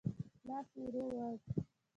لاس يې ور ووړ.